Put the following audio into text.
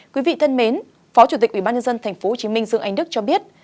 quý vị thân mến phó chủ tịch ubnd tp hcm dương anh đức cho biết